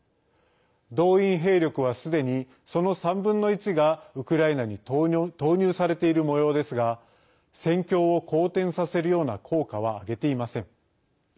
動員兵力は、すでにその３分の１がウクライナに投入されているもようですが戦況を好転させるような効果はあげていません。